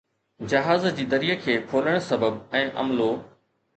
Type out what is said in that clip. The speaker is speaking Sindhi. جهاز جي دريءَ کي کولڻ سبب ۽ عملو